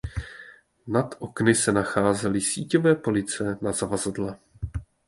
Nad okny se nacházely síťové police na zavazadla.